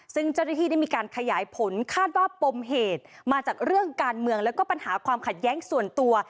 ซึ่งเจ้าหน้าที่ได้มีการขยายผลคาดว่าปมเหตุมาจากเรื่องการเมืองแล้วก็ปัญหาความขัดแย้งส่วนตัว